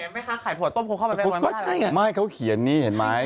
ไม่ค่ะไข่ถั่วต้มคงเข้าไปเรื่อยมากนะครับไม่เขาเขียนนี่เห็นไหม